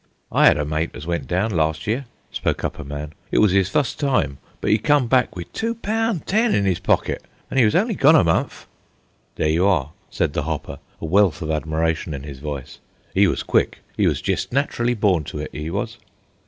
"I 'ad a mate as went down last year," spoke up a man. "It was 'is fust time, but 'e come back wi' two poun' ten in 'is pockit, an' 'e was only gone a month." "There you are," said the Hopper, a wealth of admiration in his voice. "'E was quick. 'E was jest nat'rally born to it, 'e was."